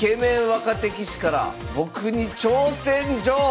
若手棋士から僕に挑戦状！